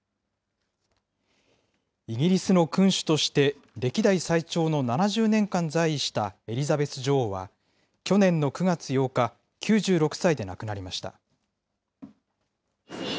イギリスの君主として歴代最長の７０年間在位したエリザベス女王は、去年の９月８日、９６歳で亡くなりました。